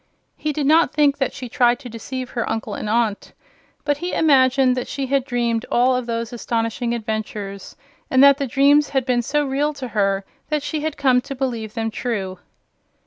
He did not think that she tried to deceive her uncle and aunt, but he imagined that she had dreamed all of those astonishing adventures, and that the dreams had been so real to her that she had come to believe them true.